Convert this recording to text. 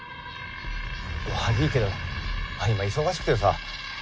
悪いけど今忙しくてさ。